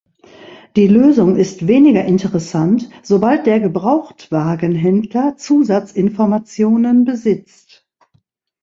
Die Lösung ist weniger interessant, sobald der Gebrauchtwagenhändler Zusatzinformationen besitzt.